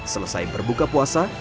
selesai berbuka puasa